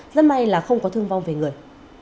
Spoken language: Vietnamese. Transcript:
rất may là không có thương vong về người